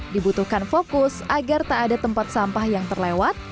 dibutuhkan fokus agar tak ada tempat sampah yang terlewat